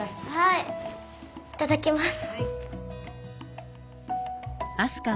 いただきます。